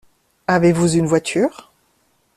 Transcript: Avez-vous une voiture?